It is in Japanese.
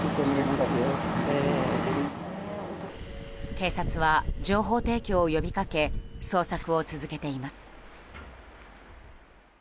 警察は情報提供を呼びかけ捜索を続けています。